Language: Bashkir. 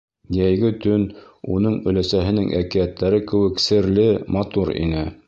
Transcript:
Йәйге төн уның өләсәһенең әкиәттәре кеүек серле, матур ине.